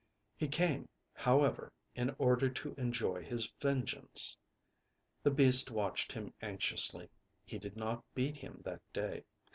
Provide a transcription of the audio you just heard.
He came, however, in order to enjoy his vengeance. The beast watched him anxiously. He did not beat him that day.